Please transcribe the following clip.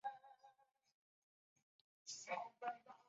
而它的体积相当于个地球或平均体积为立方公尺。